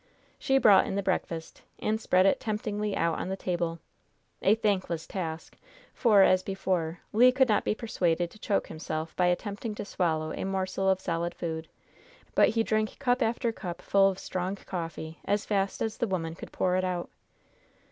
She brought in the breakfast, and spread it temptingly out on the table, a thankless task, for, as before, Le could not be persuaded to choke himself by attempting to swallow a morsel of solid food; but he drank cup after cup full of strong coffee, as fast as the woman could pour it out.